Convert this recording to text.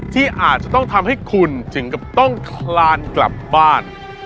ที่อาจจะต้องทำให้คุณถึงกับต้องคลานกลับบ้าน